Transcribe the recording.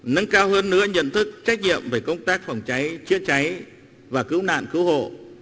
nâng cao hơn nữa nhận thức trách nhiệm về công tác phòng cháy chữa cháy và cứu nạn cứu hộ